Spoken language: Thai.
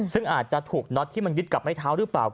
ซึ่งอาจจะถูกน็อตที่มันยึดกับไม้เท้าหรือเปล่า